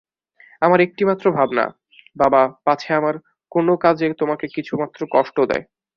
আমার একটিমাত্র ভাবনা, বাবা, পাছে আমার কোনো কাজে তোমাকে কিছুমাত্র কষ্ট দেয়।